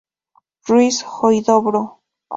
Ruiz Huidobro.